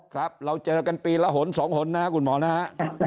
ครับเราเจอกันปีละหนสองหนนะคุณหมอนะฮะ